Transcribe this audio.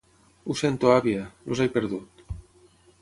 Ho sento, àvia, els he perdut.